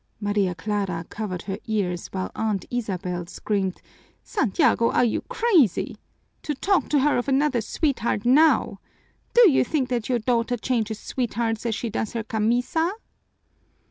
Maria Clara covered her ears, while Aunt Isabel screamed, "Santiago, are you crazy? To talk to her of another sweetheart now! Do you think that your daughter changes sweethearts as she does her camisa?"